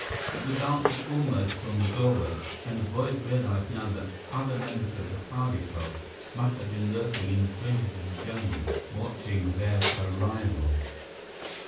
It was answered almost from the doorway, and the boys realized now that other members of the Kali cult must have been lurking in the fringes of the jungle, watching their arrival.